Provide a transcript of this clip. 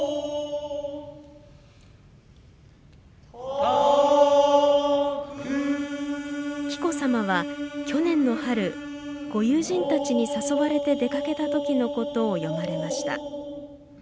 春楡の紀子さまは去年の春ご友人たちに誘われて出かけた時のことを詠まれました。